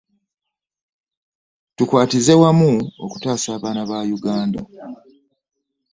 Tukwatize wamu okutaasa abaana ba Yuganda.